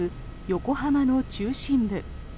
横浜の中心部。